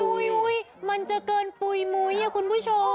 มันจะเกินปุ๋ยมุ้ยคุณผู้ชม